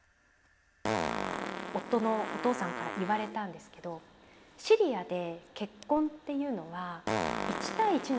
夫のお父さんから言われたんですけどシリアで結婚っていうのは１対１の関係性じゃないんだと。